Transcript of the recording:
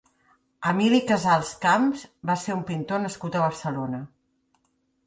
Emili Casals Camps va ser un pintor nascut a Barcelona.